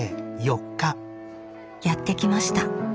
やって来ました。